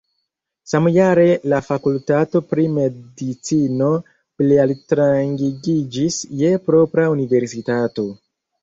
Samjare la fakultato pri medicino plialtrangigiĝis je propra universitato.